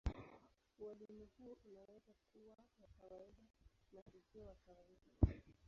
Ualimu huo unaweza kuwa wa kawaida na usio wa kawaida.